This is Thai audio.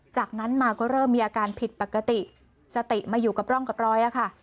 จากนั้นมาก็เริ่มมีอาการผิดปกติสติมาอยู่กับร่องกับรอยอะค่ะ